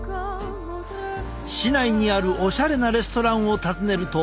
市内にあるおしゃれなレストランを訪ねると。